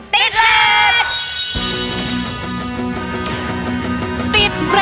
ติดเรท